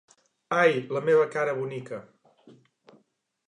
Ai, la meva cara bonica!